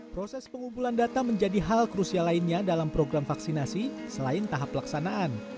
proses pengumpulan data menjadi hal krusial lainnya dalam program vaksinasi selain tahap pelaksanaan